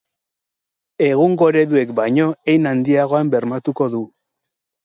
Egungo ereduek baino hein handiagoan bermatuko du.